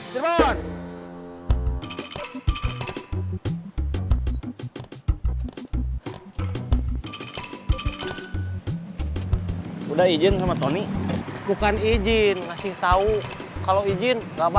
semarang semarang semarang